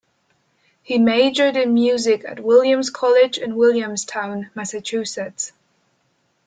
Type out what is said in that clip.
He majored in music at Williams College in Williamstown, Massachusetts.